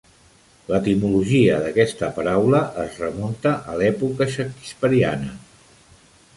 L'etimologia d'aquesta paraula es remunta a l'època shakespeariana.